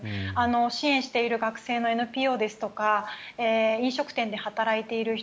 支援している学生のＮＰＯですとか飲食店で働いている人